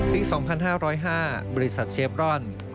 ที่๒๕๐๕บริษัทเชฟรอนด์